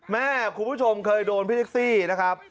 คุณผู้ชมเคยโดนพี่แท็กซี่นะครับ